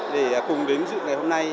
để cùng đến dựng ngày hôm nay